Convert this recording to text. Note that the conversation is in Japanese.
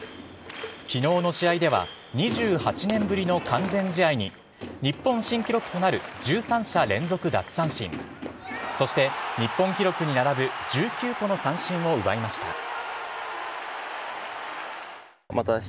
きのうの試合では、２８年ぶりの完全試合に、日本新記録となる１３者連続奪三振、そして日本記録に並ぶ１９個の三振を奪いました。